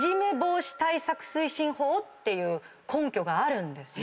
ていう根拠があるんですね。